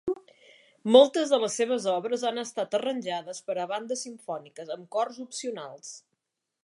Moltes de les seves obres han estat arranjades per a bandes simfòniques amb cors opcionals.